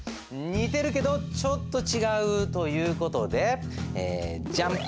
「似てるけどちょっとちがう！」という事でジャン。